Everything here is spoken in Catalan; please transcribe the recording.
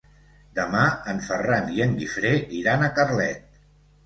Demà en Ferran i en Guifré iran a Carlet.